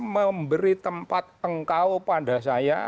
memberi tempat engkau pada saya